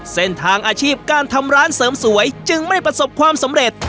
อาชีพการทำร้านเสริมสวยจึงไม่ประสบความสำเร็จ